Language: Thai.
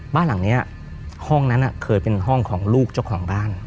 บ้านหลังนี้ห้องนั้นเคยเป็นห้องของลูกเจ้าของบ้าน